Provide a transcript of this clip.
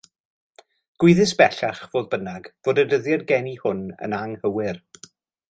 Gwyddys, bellach, fodd bynnag fod y dyddiad geni hwn yn anghywir.